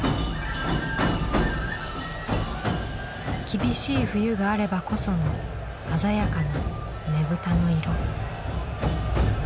厳しい冬があればこその鮮やかなねぶたの色。